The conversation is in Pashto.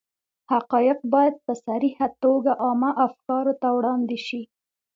حقایق باید په صریحه توګه عامه افکارو ته وړاندې شي.